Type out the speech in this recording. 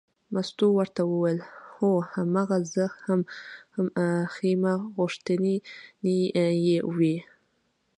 مستو ورته وویل هو هماغه زه هم ښیمه غوښتنې یې وې.